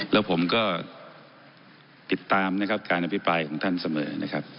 แล้วผมก็ติดตามนะครับการอภิปรายของท่านเสมอนะครับ